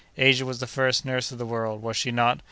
Asia was the first nurse of the world, was she not?